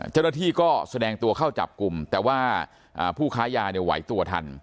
เจ้าหน้าที่ก็แสดงตัวเข้าจับกลุ่มแต่ว่าผู้ค้ายาเนี่ยไหวตัวทัน